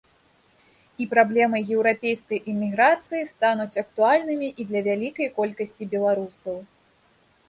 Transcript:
І праблемы еўрапейскай эміграцыі стануць актуальнымі і для вялікай колькасці беларусаў.